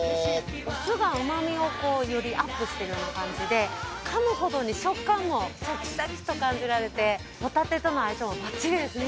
お酢がうま味をこうよりアップしてるような感じでかむほどに食感もシャキシャキと感じられてホタテとの相性もバッチリですね。